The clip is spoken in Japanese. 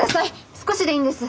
少しでいいんです。